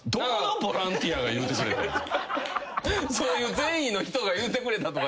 そういう善意の人が言うてくれたとかじゃ。